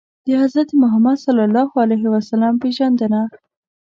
د حضرت محمد ﷺ پېژندنه